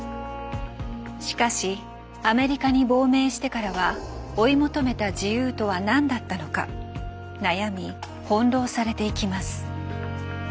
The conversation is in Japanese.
しかしアメリカに亡命してからは追い求めた自由とは何だったのか悩み翻弄されていきます。